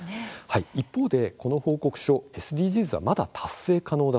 一方で、この報告書ＳＤＧｓはまだ達成可能だ。